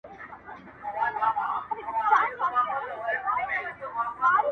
ډېر ډېر ورته گران يم د زړه سرتر ملا تړلى يم~